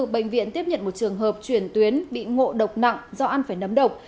bệnh viện tiếp nhận một trường hợp chuyển tuyến bị ngộ độc nặng do ăn phải nấm độc